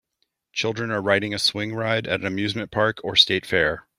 Children are riding a swing ride at an amusement park or state fair.